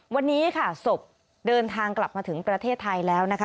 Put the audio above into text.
วันนี้ค่ะศพเดินทางกลับมาถึงประเทศไทยแล้วนะคะ